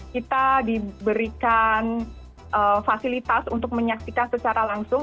kita diberikan fasilitas untuk menyaksikan secara langsung